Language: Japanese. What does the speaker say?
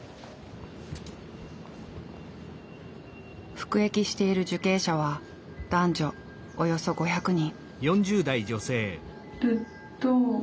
服役している受刑者は男女およそ５００人。